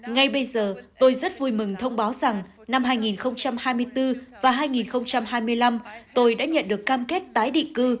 ngay bây giờ tôi rất vui mừng thông báo rằng năm hai nghìn hai mươi bốn và hai nghìn hai mươi năm tôi đã nhận được cam kết tái định cư